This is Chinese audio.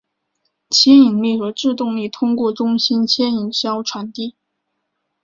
牵引力和制动力通过中心牵引销传递。